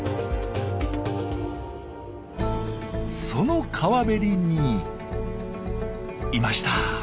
その川べりにいました！